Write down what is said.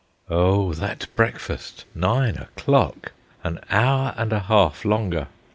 Oh, that breakfast! Nine o'clock! An hour and a half longer!